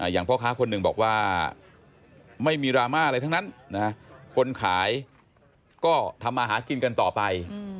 อย่างพ่อค้าคนหนึ่งบอกว่าไม่มีดราม่าอะไรทั้งนั้นคนขายก็ทำมาหากินกันต่อไป